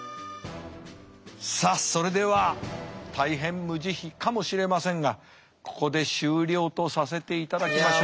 さあそれでは大変無慈悲かもしれませんがここで終了とさせていただきましょう。